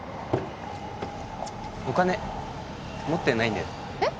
お金持ってないんだよねえっ？